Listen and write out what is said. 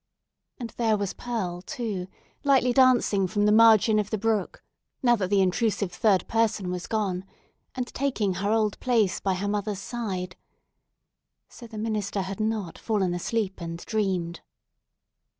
And there was Pearl, too, lightly dancing from the margin of the brook—now that the intrusive third person was gone—and taking her old place by her mother's side. So the minister had not fallen asleep and dreamed!